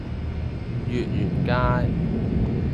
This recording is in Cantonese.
月園街